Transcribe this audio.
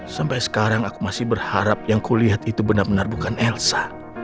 sampai sekarang aku masih berharap yang kulihat itu benar benar bukan elsa